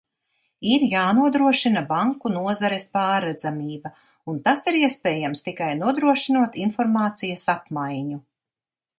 Ir jānodrošina banku nozares pārredzamība, un tas ir iespējams, tikai nodrošinot informācijas apmaiņu.